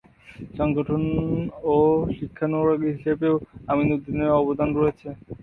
সংগঠক ও শিক্ষানুরাগী হিসেবেও আমিনউদ্দিনের অবদান রয়েছে।